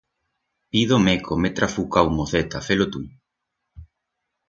Pido meco, m'he trafucau, moceta, fe-lo tu.